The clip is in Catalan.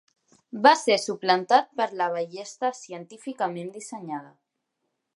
Va ser suplantat per la ballesta científicament dissenyada.